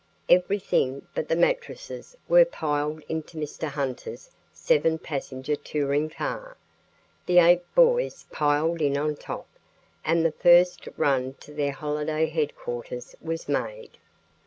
Everything but the mattresses were piled into Mr. Hunter's seven passenger touring car, the eight boys piled in on top and the first run to their holiday headquarters was made.